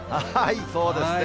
そうですね。